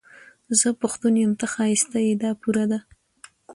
زه پښتون يم، ته ښايسته يې، دا پوره ده